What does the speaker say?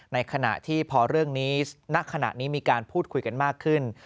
ในขณะที่พอเรื่องนี้ณขณะนี้มีการพูดคุยกันมากขึ้น